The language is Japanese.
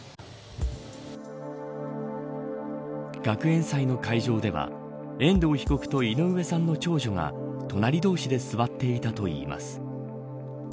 学園祭の会場では遠藤被告と井上さんの長女が隣同士で座っていたといいます。